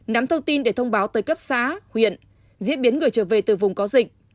nắm thông tin để thông báo tới cấp xã huyện diễn biến người trở về từ vùng có dịch